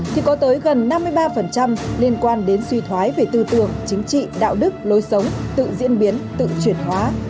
thì có tới gần năm mươi ba liên quan đến suy thoái về tư tưởng chính trị đạo đức lối sống tự diễn biến tự chuyển hóa